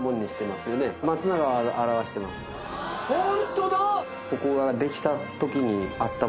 ホントだ！